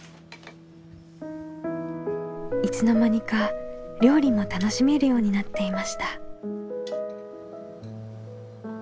いつの間にか料理も楽しめるようになっていました。